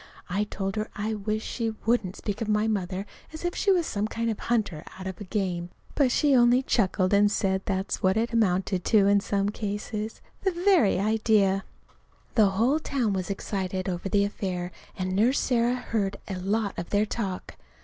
(I told her I wished she wouldn't speak of my mother as if she was some kind of a hunter out after game; but she only chuckled and said that's about what it amounted to in some cases.) The very idea! The whole town was excited over the affair, and Nurse Sarah heard a lot of their talk.